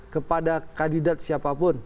kepada kandidat siapapun